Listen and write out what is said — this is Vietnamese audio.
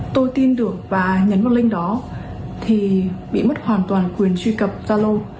tôi tin được và nhấn vào link đó thì bị mất hoàn toàn quyền truy cập zalo